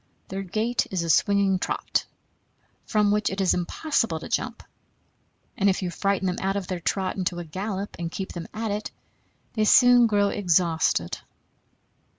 Their gait is a swinging trot, from which it is impossible to jump; and if you frighten them out of their trot into a gallop and keep them at it, they soon grow exhausted.